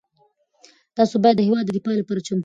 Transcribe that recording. تاسو باید د هېواد د دفاع لپاره چمتو اوسئ.